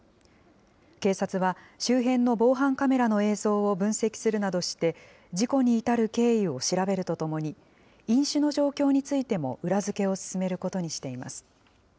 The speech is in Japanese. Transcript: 警察は、周辺の防犯カメラの映像を分析するなどして、事故に至る経緯を調べるとともに、飲酒の状況についても裏付けを進めることにしています。